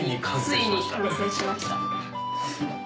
ついに完成しました。